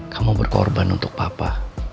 kamu berkorban untuk papa